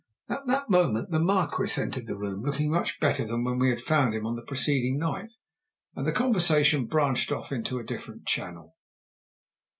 At that moment the Marquis entered the room, looking much better than when we had found him on the preceding night, and the conversation branched off into a different channel.